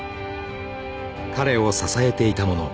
［彼を支えていたもの］